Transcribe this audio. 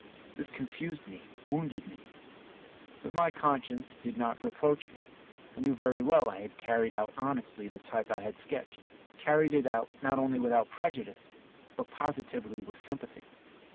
This confused me, wounded me; but my conscience did not reproach me. I knew very well I had carried out honestly the type I had sketched, carried it out not only without prejudice, but positively with sympathy.